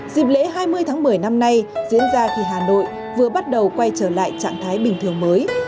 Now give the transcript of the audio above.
dịp lễ hai mươi tháng một mươi năm nay diễn ra khi hà nội vừa bắt đầu quay trở lại trạng thái bình thường mới